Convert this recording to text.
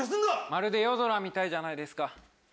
まるで夜空みたいじゃないですか。